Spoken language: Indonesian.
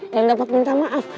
yang dapat minta maaf